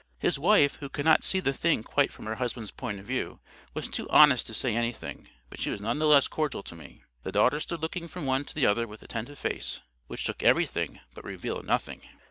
His wife, who could not see the thing quite from her husband's point of view, was too honest to say anything; but she was none the less cordial to me. The daughter stood looking from one to the other with attentive face, which took everything, but revealed nothing.